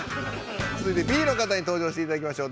つづいてＢの方に登場していただきましょう。